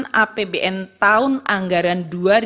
kenaikan apbn tahun anggaran dua ribu dua puluh